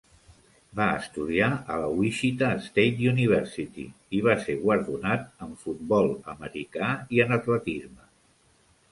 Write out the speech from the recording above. Va estudiar a la Wichita State University i va ser guardonat en futbol americà i en atletisme.